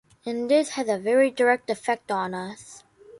And this has a very direct effect on us.